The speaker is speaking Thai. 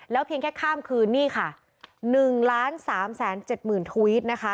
แล้วเพียงแค่ข้ามคืนนี่ค่ะ๑ล้าน๓แสน๗หมื่นทวิตนะคะ